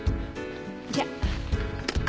じゃあ。